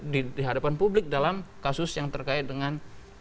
dihadapan publik dalam kasus yang terkait dengan